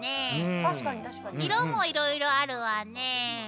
色もいろいろあるわね。